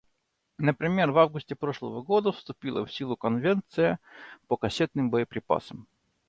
Например, в августе прошлого года вступила в силу Конвенция по кассетным боеприпасам.